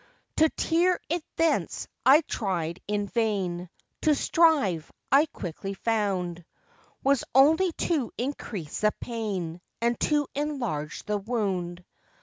To tear it thence I tried in vain; To strive, I quickly found Was only to increase the pain, And to enlarge the wound.